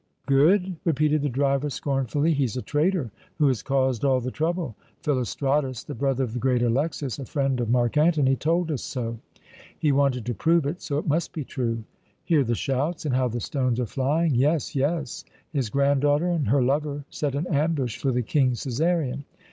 "Good?" repeated the driver, scornfully. "He's a traitor, who has caused all the trouble. Philostratus, the brother of the great Alexas, a friend of Mark Antony, told us so. He wanted to prove it, so it must be true. Hear the shouts, and how the stones are flying! Yes, yes. His granddaughter and her lover set an ambush for the King Cæsarion.